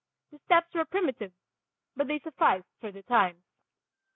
The steps were primitive, but they sufficed for the times.